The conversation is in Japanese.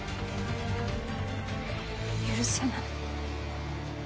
許せない。